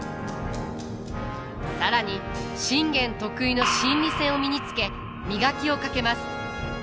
更に信玄得意の心理戦を身につけ磨きをかけます。